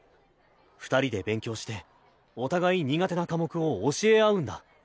二人で勉強してお互い苦手な科目を教え合うんだ。